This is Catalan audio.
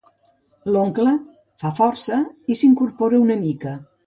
L'oncle fa força i s'incorpora una mica.